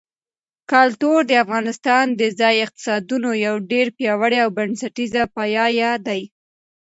کلتور د افغانستان د ځایي اقتصادونو یو ډېر پیاوړی او بنسټیز پایایه دی.